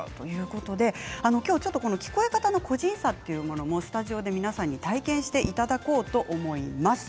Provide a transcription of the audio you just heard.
聞こえ方の個人差をスタジオで皆さんに体験していただこうと思います。